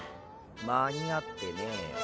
間に合ってねーよ。